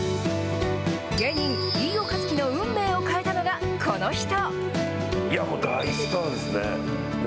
芸人、飯尾和樹の運命を変えたのが、この人。